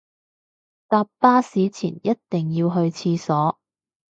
搭巴士前一定要去廁所